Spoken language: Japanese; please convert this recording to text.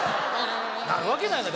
なるわけないだろ